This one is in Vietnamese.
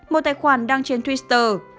một tài khoản đăng trên twitter